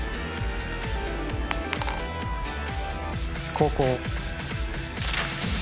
・後攻・